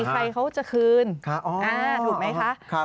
ใครเขาจะคืนถูกไหมคะ